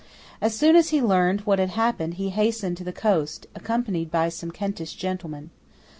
As soon as he learned what had happened he hastened to the coast, accompanied by some Kentish gentlemen.